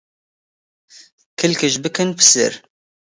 کلکش بکن پسر